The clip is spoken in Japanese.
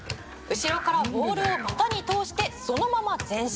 「後ろからボールを股に通してそのまま前進」